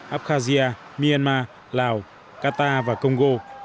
abkhazia myanmar lào qatar và congo